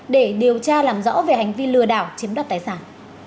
để điều tra làm rõ về hành vi lừa đảo chiếm đoạt tài sản